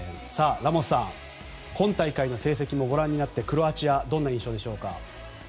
ラモスさん、今大会の成績もご覧になってクロアチアどんな印象でしょうか？